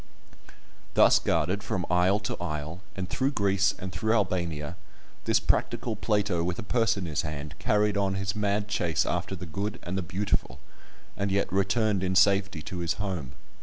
Thus guarded from isle to isle, and through Greece, and through Albania, this practical Plato with a purse in his hand, carried on his mad chase after the good and the beautiful, and yet returned in safety to his home.